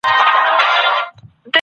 خلګ د خپلو وسایلو د سم کارولو لاري لټوي.